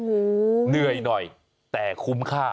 โอ้โหเหนื่อยหน่อยแต่คุ้มค่า